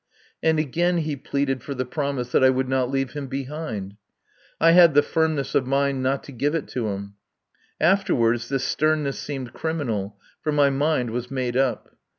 And again he pleaded for the promise that I would not leave him behind. I had the firmness of mind not to give it to him. Afterward this sternness seemed criminal; for my mind was made up.